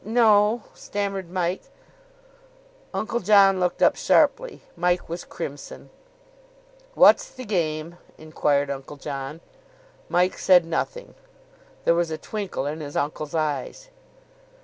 "Ye no," stammered Mike. Uncle John looked up sharply. Mike was crimson. "What's the game?" inquired Uncle John. Mike said nothing. There was a twinkle in his uncle's eyes.